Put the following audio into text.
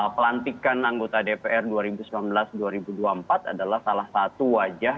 pelantikan anggota dpr dua ribu sembilan belas dua ribu dua puluh empat adalah salah satu wajah